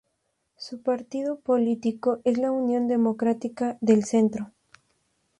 Su partido político es la Unión Democrática del Centro.